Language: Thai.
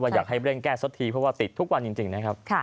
อยากให้เร่งแก้สักทีเพราะว่าติดทุกวันจริงนะครับ